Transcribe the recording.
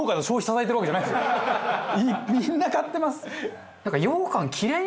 みんな買ってます！